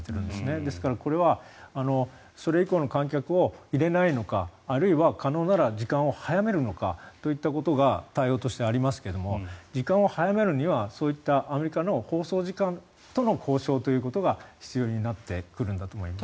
ですから、これはそれ以降の観客を入れないのかあるいは可能ならば時間を早めるのかといったことが対応としてありますけども時間を早めるには、そういったアメリカの放送時間との交渉ということが必要になってくるんだと思います。